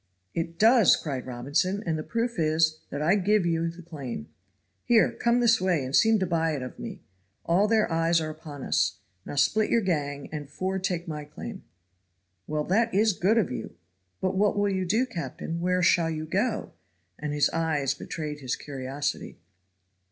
"It does," cried Robinson, "and the proof is that I give you the claim. Here come this way and seem to buy it of me. All their eyes are upon us. Now split your gang, and four take my claim." "Well, that is good of you. But what will you do, captain? Where shall you go?" And his eyes betrayed his curiosity.